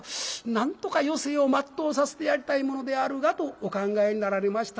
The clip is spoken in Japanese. なんとか余生を全うさせてやりたいものであるが」とお考えになられましたが。